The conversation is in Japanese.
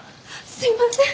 すいません。